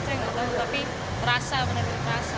saya nggak tahu tapi merasa benar benar merasa